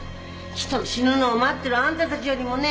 人が死ぬのを待ってるあんたたちよりもね